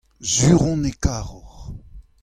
sur on e karor.